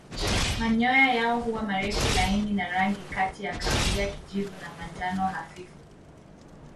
Manyoya yao huwa marefu laini na rangi kati ya kahawia kijivu na manjano hafifu.